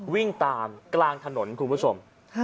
วิ่งตามกลางถนนคุณผู้ชม